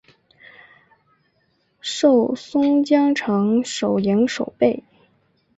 授松江城守营守备。